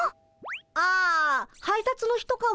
あ配達の人かも。